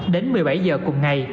đến một mươi bảy h cùng ngày